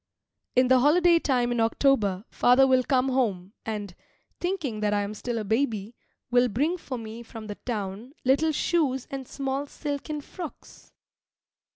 In the holiday time in October father will come home and, thinking that I am still a baby, will bring for me from the town little shoes and small silken frocks.